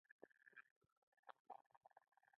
• مینه د سکون تر ټولو لویه لاره ده.